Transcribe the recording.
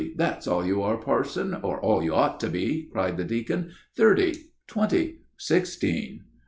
that's all you are, parson, or all you ought to be," cried the deacon. "Thirty, twenty, sixteen!